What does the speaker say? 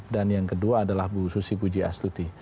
dan yang kedua adalah bu susi puji astuti